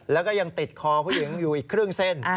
แล้วก็ยังติดคอผู้หญิงอยู่อีกครึ่งเส้น